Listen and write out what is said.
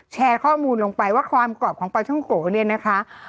แชร์ข้อมูลลงไปว่าความกรอบของปลาท่องโกะเนี่ยนะคะ